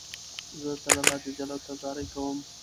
زه تل الله جل جلاله ته زارۍ کوم.